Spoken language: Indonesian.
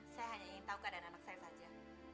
saya hanya ingin tahu keadaan anak saya saja